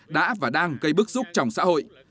đã và đang gây bức xúc trong xã hội